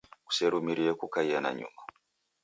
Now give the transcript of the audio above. Kuserumirie kukaia nanyuma.